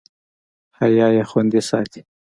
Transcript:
حیا یې خوندي ساتي.